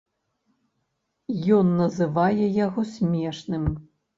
Ён называе яго смешным.